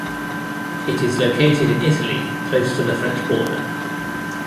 It is located in Italy close to the French border.